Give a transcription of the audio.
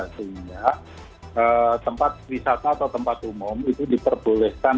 sehingga tempat wisata atau tempat umum itu diperbolehkan